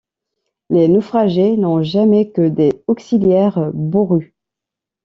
Les naufragés n’ont jamais que des auxiliaires bourrus.